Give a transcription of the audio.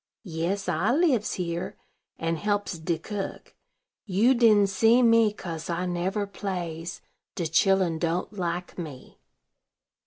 "Yes: I lives here, and helps de cook. You didn't see me, kase I never plays; de chilen don't like me."